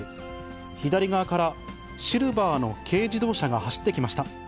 左側からシルバーの軽自動車が走ってきました。